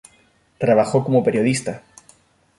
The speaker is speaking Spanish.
Trabajó como periodista.